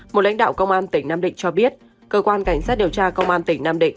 một lãnh đạo công an tỉnh nam định cho biết cơ quan cảnh sát điều tra công an tỉnh nam định